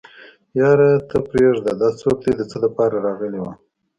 يره ته پرېده دا څوک ده د څه دپاره راغلې وه.